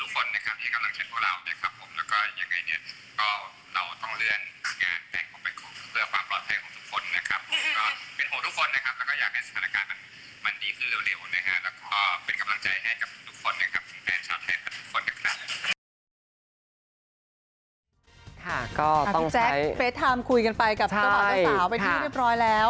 พี่แจ๊คเฟสไทม์คุยกันไปกับสาวเมื่อกลัวสาวไปที่นี่เรียบร้อยแล้ว